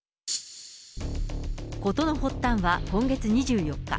事の発端は今月２４日。